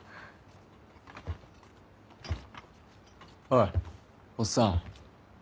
おいおっさん。